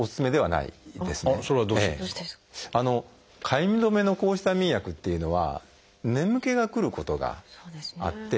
かゆみ止めの抗ヒスタミン薬っていうのは眠気がくることがあって。